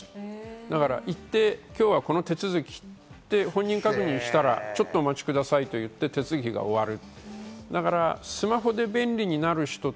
北見市は書かないワンストップ窓口、行って今日はこの手続きで本人確認したらちょっとお待ちくださいと言って、手続きが終わる。